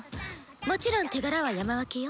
もちろん手柄は山分けよ。